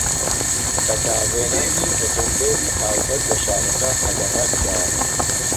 بەکارهێنانی ئۆتۆمبێلی تایبەت لە شارەکە قەدەغە کرا.